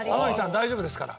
大丈夫ですから。